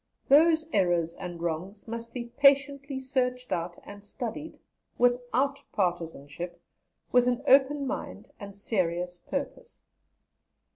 Those errors and wrongs must be patiently searched out and studied, without partisanship, with an open mind and serious purpose.